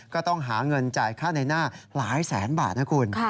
ก็ต้องหาเงินจ่ายค่าในหน้าหลายแสนบาทนะคุณ